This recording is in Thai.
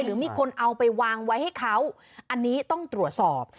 หรือมีคนเอาไปวางไว้ให้เขาอันนี้ต้องตรวจสอบ